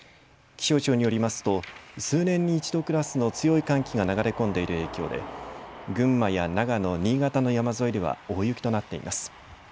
気象庁によりますと数年に一度クラスの強い寒気が流れ込んでいる影響で群馬や長野、新潟の山沿いでは大雪となっています。